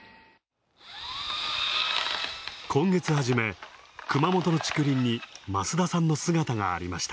今月初め、熊本の竹林に増田さんの姿がありました。